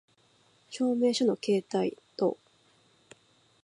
証明書の携帯等